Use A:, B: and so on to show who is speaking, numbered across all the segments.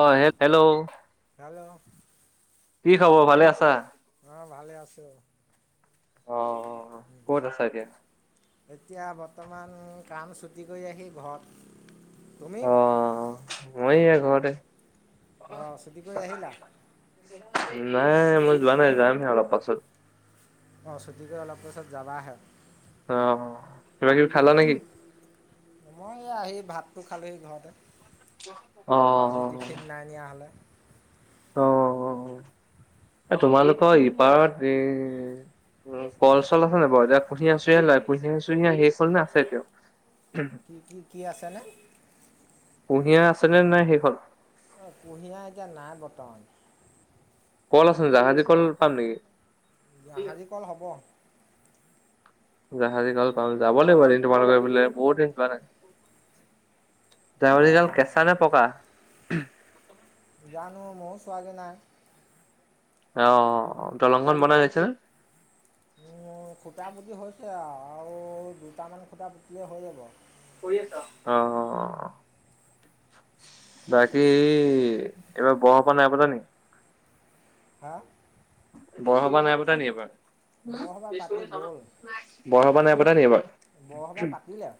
A: অ', হে hello.
B: Hello.
A: কি খবৰ, ভালেই আছা?
B: আহ, ভালে আছে,
A: অ
B: উম।
A: ক'ত আছা এতিয়া
B: এতিয়া বৰ্তমান কাম ছুটি কৰি আহি ঘৰত, তুমি?
A: অ মই এয়া ঘৰতে।
B: অ', ছুটি কৰি আহিলা?
A: নাই, মই যোৱা নাই, যামহে অলপ পাছত।
B: অ', ছুটি কৰি অলপ পাছত যাবাহে?
A: অ', কিবা-কিবি খালা নে কি?
B: মই এয়া আহি ভাতটো খালোহি ঘৰতে,
A: অ
B: আজি টিফিন নাই নিয়া হ'লে।
A: অ', এ, তোমালোকৰ ইপাৰত এ উম, কল-চল আছে নে বাৰু, এতিয়া কুঁহিয়াৰ- চুৰিহীয়া লয় কুঁহিয়-চুৰিহীয়া শেষ হ'ল নে, আছে এতিয়াও? [inaudible]
B: কি, কি, কি আছেনে?
A: কুঁহিয়া আছে নে, নাই শেষ হ'ল?
B: অ', কুঁহিয়াৰ এতিয়া নাই বৰ্তমান।
A: কল আছে, জাহাজি কল পাম নেকি?
B: জাহাজী কল হ'ব।
A: জাহাজি কল পাম, যাব লাগিব এদিন তোমালোকৰ সেফালে বহুত দিন যোৱা নাই। জাউৰিডাল কেঁচা নে পকা?
B: জানো মইয়ো চোৱা গে নাই।
A: অ', দলংখন বনাই হৈছে নে?
B: উম, খুটা পুতি হৈছে আও, আৰু দুটামান খুটা পুতিলেই হৈ যাব।
A: কৰি আছা, অ', অ', অ'। বাকী এইবাৰ বৰসবাহ নাই পতা নেকি?
B: হা?
A: বৰসবাহ নাই পতা নেকি এইবাৰ?
B: বৰসভা পাতি গ'ল।
A: বৰসভা নাই পাতা নেকি এইবাৰ?
B: বৰসভা পাতিলে।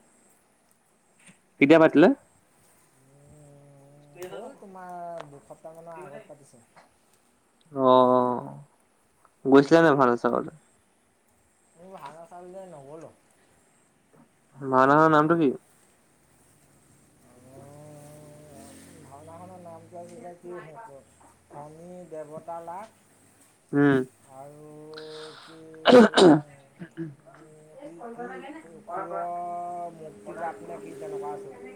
A: কেতিয়া পাতিলে?
B: হ'ল তোমাৰ দুস
A: অ, গৈছিলা নাই ভাওনা চাবলে?
B: মই ভাওনা চাবলে নগলো।
A: ভাওনা খনৰ নামটো কি?
B: ভাওনাখনৰ নামটো আছিলে কি, শনি দেৱতা লাভ
A: উম।
B: আৰু
A: [inaudible]
B: [unintelligible] অসুৰৰ মুক্তি লাভ নে কি তেনেকুৱা আছিলে।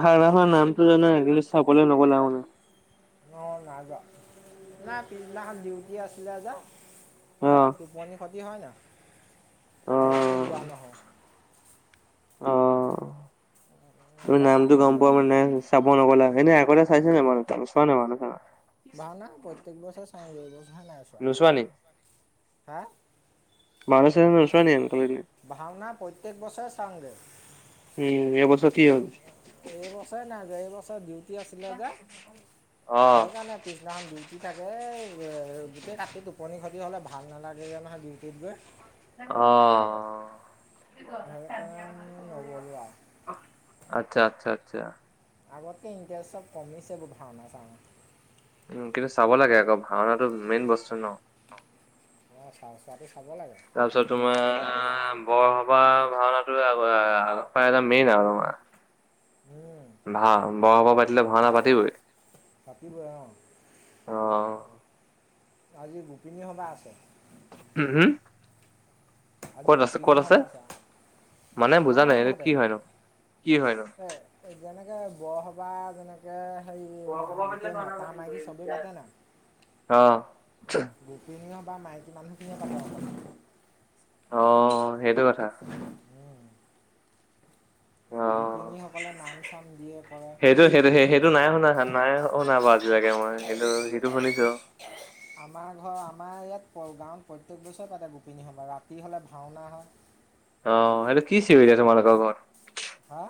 A: ভাওনাখনৰ নামটো জানা কিন্তু চাবলৈ নগ'লা আৰু মানে।
B: মই নাই যোৱা, নাই পিছদিনাখন ডিউটি আছিলে যে।
A: অ',
B: টোপনি ক্ষতি হয় ন' সেইকাৰণে
A: অ',
B: যোৱা নহ'ল।
A: অ, তুমি
B: নহ'বা
A: নামটো
B: কামৰ
A: গম পোৱা [unintelligible] চাব নগ'লা হয় নে আগতে চাইছা নাই মানুহতো নে চোৱা নাই ভাওনা-চাওনা?
B: ভাওনা প্ৰত্যেক বছৰ চাও গৈ এই বছৰ হে
A: নোচোৱা নি?
B: হা?
A: ভাওনা-চাওনা নোচোৱা নি আনকালে [unintelligible]
B: ভাওনা প্ৰত্যেক বছৰে চাওঁগে।
A: উম, এই বছৰ কি হ'ল?
B: এই বছৰে নাই যোৱা এই বছৰ ডিউটি আছিলে যে,
A: অ',
B: সেইকাৰণে পিছদিনাখন ডিউটি থাকে এহ গোটেই ৰাতি টোপনি ক্ষতি হ'লে ভাল নালাগে গে নহয় ডিউটিত গৈ।
A: অ।
B: সেইকাৰণ নগলো আৰু।
A: আচ্ছা আচ্ছা আচ্ছা।
B: আগতকে ইণ্টাৰেষ্ট চব কমিছে এইবোৰ ভাওনা-চাওনা
A: উম কিন্তু চাব লাগে আকৌ ভাওনাটো মেইন বস্তু ন!
B: অহ, অ চাওঁ চোৱাটো চাব লাগে।
A: তাৰপিছত তোমাৰ অ বৰসভা ভাওনাটো আগ আ আগৰ পৰা এটা মেইন আৰু তোমাৰ। ভা বৰ সভা পাতিলে ভাওনা পাতিবই।
B: পাতিবই অ।
A: অ।
B: আজি গোপিনী সভা আছে।
A: উম হুম!
B: আজি
A: ক'ত আছে
B: গোপিনী
A: ক'ত
B: সভা আছে,
A: মানে বুজা
B: আমাৰ
A: নাই
B: নাম
A: এইটো
B: ঘৰতে,
A: কি হয়নো কি হয়নো
B: এ এই যেনেকে বৰসভা যেনে কে হেৰি মা গোটেই মতা মাইকী চবেই পাতে নাই?
A: অ
B: গোপিনী সভা মাইকী মানুহখিনিয়ে পাতে অকল।
A: অ সেইটো কথা। অ
B: গোপিনীসকলে নাম-চাম দিয়ে কৰে
A: সেইটো সেইটো সেইটো নাই শুনা নাই শুনা বাৰু আজিলৈকে মই কিন্তু সেইটো শুনিছো।
B: আমাৰ ঘৰ আমাৰ ইয়াত প গাঁৱত প্ৰত্যেক বছৰে পাতে গোপিনী সভা ৰাতি হ'লে ভাওনা হয়।
A: অ এইটো কি চিঞৰি আছে [unintelligible] ঘৰত
B: হা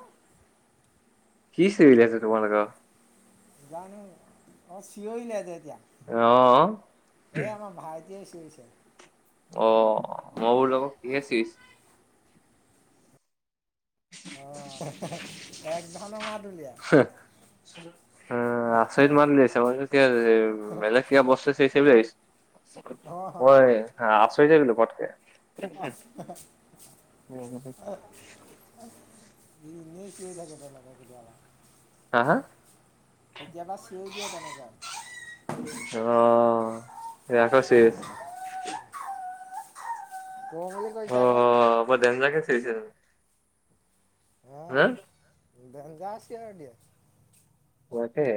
A: কি চিঞৰিলে আছে তোমালোকৰ
B: জানো, অ চিঞৰিলে যে এতিয়া
A: অ
B: এই আমাৰ ভাইটিয়ে চিঞৰিছে
A: অ মই বোলো আকো কিহে চিঞৰিছে
B: অ হে হে হে হে একধৰনৰ মাত উলিয়ায়
A: [inaudible] আ আচৰিত মাত উলিয়াইছে মই [unintelligible] বেলেগ কিবা বস্তুৱে চিঞৰিছে বুলি ভাবিছো [unintelligible]
B: অঁ
A: আচৰিত হৈ গ'লো পতকে
B: অহ [inaudible] ই ইনেই চিঞৰি থাকে তাৰ লগৰ [unintelligible]
A: হা হা
B: কেতিয়াবা চিঞৰি দিয়ে তেনেকা
A: অ এই আকো [unintelligible]
B: কওঁ বুলি কৈছে
A: অ
B: আকৌ।
A: বৰ ডেঞ্জাৰ কে চিঞৰিছে
B: অ
A: হা
B: ডেঞ্জাৰ চিঞৰ দিয়ে
A: পোৱাকে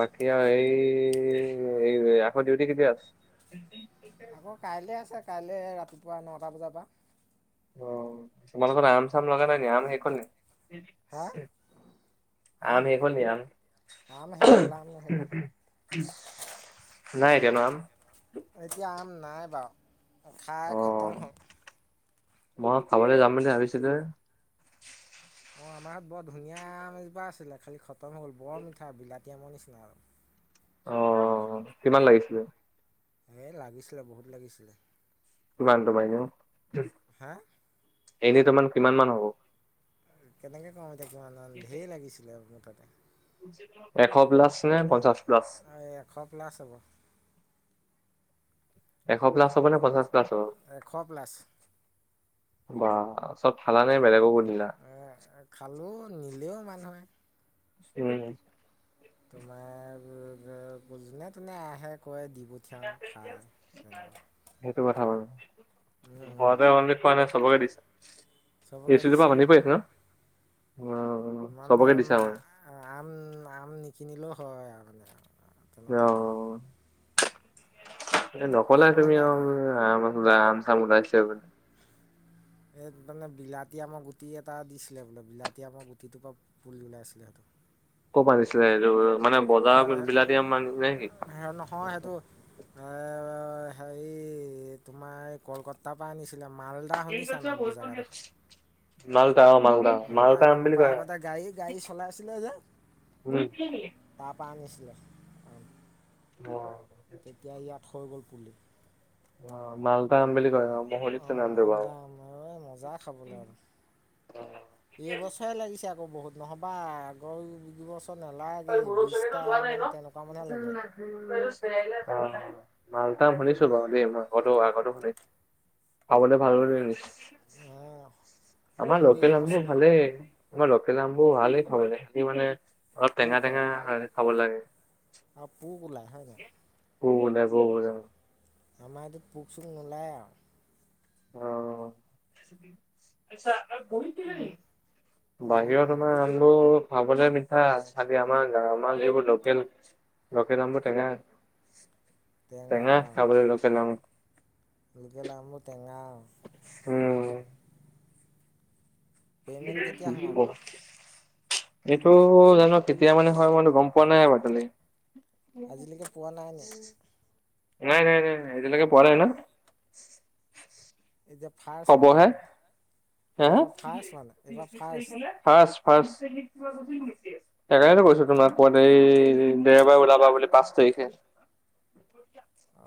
A: বাকী আৰু এই এই আকৌ ডিউটি কেতিয়া আছে
B: আকৌ কাইলে আছে কাইলে ৰাতিপুৱা নটা বজাৰ পৰা
A: অ তোমালোকৰ আম চাম লগা নাই নি আম শেষ হ'ল নি?
B: হা
A: আম শেষ হল নি আম
B: আম শেষ হ'ল আম শেষ হ'ল
A: নাই এতিয়া ন আম
B: এতিয়া আম নাই বাৰু খাই
A: অ
B: খতম হল।
A: মই খাবলে যাম বুলি ভাবিছিলো হে
B: অ আমাৰ বৰ ধুনীয়া আম এজোপা আছিলে খালি খতম হ'ল বৰ মিঠা বিলাতী আমৰ নিচিনা আৰু
A: অ কিমান লাগিছিলে?
B: হে লাগিছিলে বহুত লাগিছিলে।
A: কিমান তোমাৰ এনে,
B: হা
A: এনে তোমাৰ কিমান মান হ'ব?
B: কেনেকে কওঁ এতিয়া কিমান মান ঢেৰ লাগিছিলে মুঠতে।
A: এশ প্লাছ নে পঞ্চাছ প্লাছ?
B: এই এশ প্লাছ হ'ব।
A: এশ প্লাছ হব নে পঞ্চাশ প্লাছ হব?
B: এশ প্লাছ
A: বা চব খালা নে বেলেগকো দিলা?
B: এ, খালোঁ নিলেও মানুহে।
A: উম
B: তোমাৰ যোনে তোনে আহে কয় দি পঠিয়াওঁ খা ধন্যবাদ।
A: সেইটো কথা বাৰু, ঘৰতে অনলি খোৱা নাই চবকে দিছে।
B: চবকে দিছোঁ
A: [inaudible]
B: মানে
A: চবকে দিছা
B: মা
A: মানে?
B: আম আম নিকিনিলেও হয় আৰু মানে তেনেকুৱা
A: অ', এ নকলা
B: ইয়াত
A: তুমি
B: মানে
A: আৰু আম আম চাম ওলাইছে বুলি।
B: এই মানে বিলতী আমাৰ গুটি এটা দিছিলে বোলে বিলাতী আমাৰ গুটিটোৰ পৰা পুলি ওলাইছিলে সেটো।
A: কপা দিছিলে এইটো মানে বজাৰ বিলাতি আম মান নে কি?
B: হয় [unintelligible] হেৰি তোমাৰ কলকত তাৰ পা আনিছিলে মালদা শুনিছা নামটো জেগাডখ
A: মালদা অ মালদা, মালদা আম
B: আমাৰ
A: বুলি
B: পাপাই
A: কয় অ।
B: আগতে গাড়ী গাড়ী চলাইছিলে
A: [unintelligible]
B: তা পা আনিছিলে
A: অ',
B: তেতিয়া ইয়াত হৈ গ'ল পুলি।
A: অ মালদা আম বুলি কয় মই শুনিছোঁ নামটো বাও।
B: হয় মজা খাবলে আম। এইবছৰে লাগিছে আক বহুত নহ'বা আগৰ বছ ছ নালাগে বিছটামান তেনেকুৱা মানহে লাগে।
A: [unintelligible] মালদা শুনিছো বাও দেই মই আগতো আগতো শুনি খাবলে ভাল লাগে বুলি শুনিছ
B: অ।
A: আমাৰ
B: কিন্তু
A: লোকেল আমবোৰ
B: এইবছৰ
A: ভালে আমাৰ লোকেল আমবোৰ ভালে খাবলে, টি মানে অলপ টেঙা টেঙা লাগে খাবলে।
B: আও পুক ওলাই হয় নাই?
A: পুক ওলাই পুক ওলাই।
B: আমাৰ এইটোত পুক চোক নোলায় আও।
A: অ।
B: উম,
A: [unintelligible]
B: বহুত
A: বাহিৰত
B: মি
A: আমাৰ আম বোৰ খাবলে মিঠা খালি আমাৰ গাঁৱৰ মাল এইবোৰ লোকেল লোকেল আমবো টেঙা, টেঙা খাবলে লোকেল আম।
B: লোকেল আমবোৰ টেঙা।
A: উম।
B: পে'মেণ্ট কেতিয়া সোমাব
A: [unintelligible] এইটো জানো কেতিয়া মানে হয় মইতো গ'ম পোৱা নাই অতলি
B: আজিলৈকে পোৱা নাই নি
A: [unintelligible] নাই, নাই, নাই, নাই এতিয়ালৈকে পঢ়া নাই ন?
B: এতিয়া ভাত
A: হ'ব হে, হে হে?
B: ফাৰ্ষ্ট মানে এইবাৰ ফাৰ্ষ্ট
A: [unintelligible] ফাষ্ট, ফাষ্ট [unintelligible] সেইকাৰণ কৈছো তোমাক মই এই দেওবাৰে ওলাবা বুলি পাঁচ তাৰিখে।
B: অ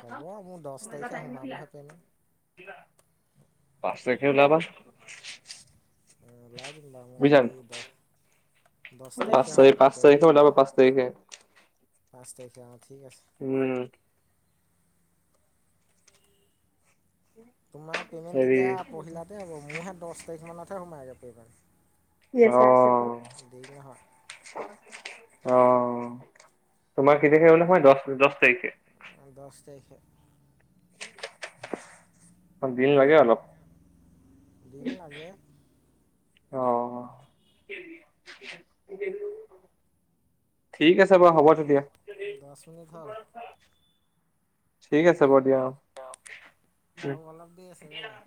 B: হ'ব মোৰ দছ তাৰিখে সোমাবহে পে'মেণ্ট।
A: [unintelligible] পাঁচ তাৰিখে ওলাবা।
B: ওলাই দিম বাৰু মই
A: বুজিছা নাই?
B: খালী দহ দহ তাৰিখে
A: পাঁচ
B: হ'ব
A: তাৰিখ
B: মোৰ
A: পাচঁ
B: পে'মেণ্ট
A: তাৰিখে ওলাবা পাঁচ তাৰিখে।
B: পাঁচ তাৰিখে অ ঠিক আছে।
A: উম।
B: তোমাৰ পে'মেণ্ট
A: হেৰি
B: তেতিয়া পহিলাতে হ'ব মোৰহে দছ তাৰিখমানতহে সোমায়গে পে'মেণ্ট।
A: [unintelligible] অ
B: দেৰি নহয়।
A: অ তোমাৰ কে তাৰিখে বোলে সোমাই দছ দছ তাৰিখে।
B: অ দছ তাৰিখে।
A: অ দিন লাগে অলপ।
B: দিন লাগে।
A: অ'অ'। ঠিক আছে বাৰু হ'ব তেতিয়া।
B: ল'ৰা ছোৱালীৰ ভাল।
A: ঠিক আছে বাৰু দিয়া অ'।
B: আৰু অলপ দেৰি আছে ৰ'বা।